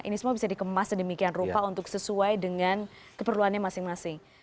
ini semua bisa dikemas sedemikian rupa untuk sesuai dengan keperluannya masing masing